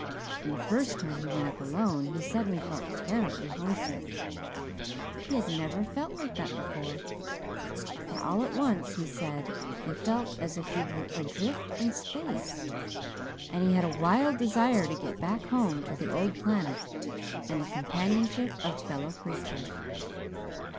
And the first time he went up alone he suddenly felt terribly homesick. He had never felt like that before; but all at once, he said, he felt as if he were adrift in space and he had a wild desire to get back home to the old planet and the companionship of fellow creatures.